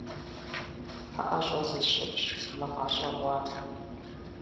ПэӀэщӀэ зысщӀынщ мы гъащӀэ гъуамэм.